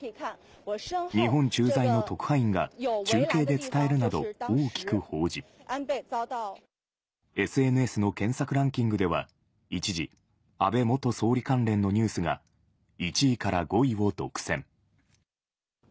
日本駐在の特派員が中継で伝えるなど大きく報じ、ＳＮＳの検索ランキングでは一時、安倍元総理関連のニュースが１位から５位を独占。